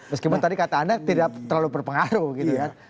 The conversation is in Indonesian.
meskipun tadi kata anda tidak terlalu berpengaruh gitu ya